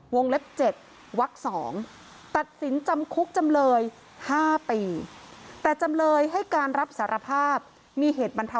วงเล็บเจ็ดวักสองตัดสินจำคุกจำเลยห้าปี